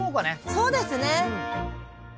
そうですね。